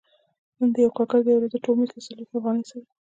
نو د کارګر د یوې ورځې ټول مزد له څلوېښت افغانیو سره دی